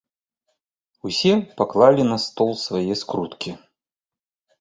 Усе паклалі на стол свае скруткі.